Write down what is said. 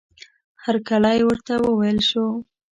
هرکلی ورته وویل شو.